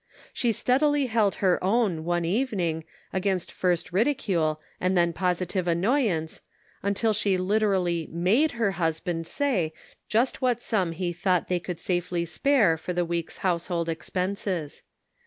She steadily held her own, one evening, against first ridicule and then positive annoyance, until she literally made her husband say just what sum he thought they could safely spare for the week's household expenses.